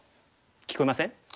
聞こえません？